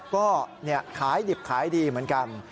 ก็ขายดิบขายดีเหมือนกัน